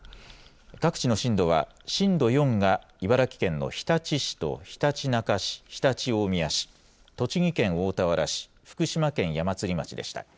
各地の震度は、震度４が茨城県の日立市とひたちなか市、常陸大宮市、栃木県大田原市、福島県矢祭町でした。